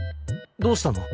どうしたの？